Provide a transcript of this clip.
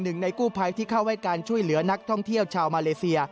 หนึ่งในกู้ภัยที่เข้าให้การช่วยเหลือนักท่องเที่ยวชาวมาเลเซีย